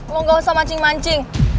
mau gak usah mancing mancing